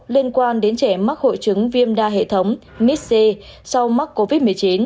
liên quan đến trẻ mắc hội chứng viêm đa hệ thống mis c sau mắc covid một mươi chín